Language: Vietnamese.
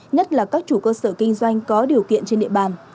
nhất là các chủ cơ sở kinh doanh có điều kiện trên địa bàn